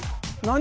何？